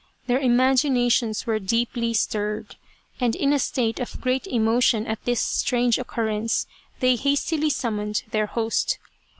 Their imaginations were deeply stirred, and in a state of great emotion at this strange occurrence, they hastily summoned their host.